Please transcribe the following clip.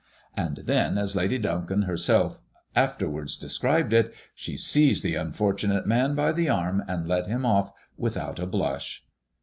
And then, as Lady Duncombe herself afterwards described it, " she seized the unfortunate man by the arm and led him off, with out a blush."